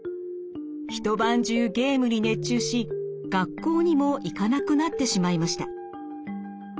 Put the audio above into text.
一晩中ゲームに熱中し学校にも行かなくなってしまいました。